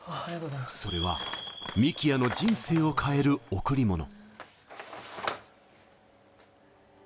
それは幹也の人生を変える贈りもの。